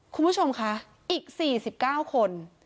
คุณผู้ชมคะอีก๔๙คน